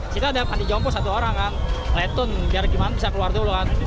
kita ada panti jompo satu orang kan letun biar gimana bisa keluar dulu kan